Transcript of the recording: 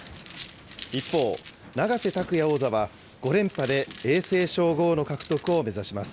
一方、永瀬拓矢王座は５連覇で永世称号の獲得を目指します。